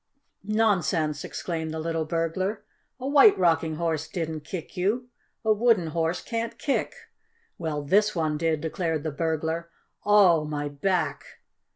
"Nonsense!" exclaimed the little burglar. "A White Rocking Horse didn't kick you! A wooden horse can't kick!" "Well, this one did," declared the burglar. "Oh, my back!"